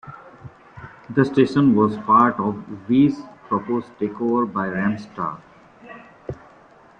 The station was part of V's proposed takeover by Remstar.